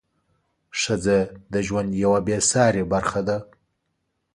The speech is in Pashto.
ښځه د ژوند یوه بې سارې برخه ده.